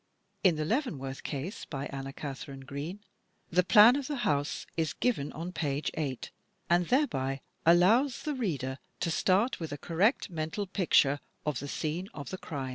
In "The Leavenworth Case" by Anna Katharine Green, the plan of the house is given on page 8, and thereby allows the reader to start with a correct mental picture of the scene of the crime.